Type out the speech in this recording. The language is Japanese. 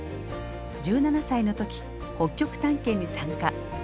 １７歳の時北極探検に参加。